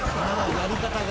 やり方が。